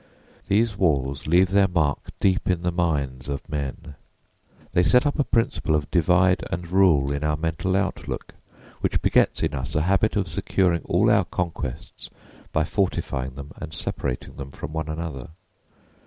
These walls leave their mark deep in the minds of men. They set up a principle of "divide and rule" in our mental outlook, which begets in us a habit of securing all our conquests by fortifying them and separating them from one another.